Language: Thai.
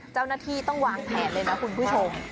เจ้าหน้าที่ต้องวางแผนเลยนะคุณผู้ชม